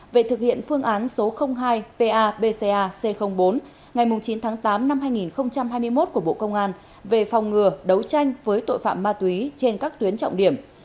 về thực hiện phương án số hai pa bcac bốn ngày chín tháng tám năm hai nghìn hai mươi một của bộ công an về phòng ngừa đấu tranh với tội phạm ma túy trên các tuyến trọng điểm